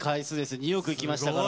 ２億いきましたから。